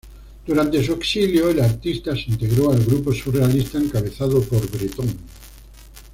Durante su exilio el artista se integró al grupo surrealista, encabezado por Bretón.